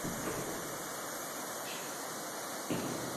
毕业学生可以被授予与普通大学相同的学士或硕士或博士学位。